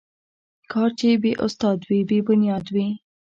کار چې بې استاد وي، بې بنیاد وي.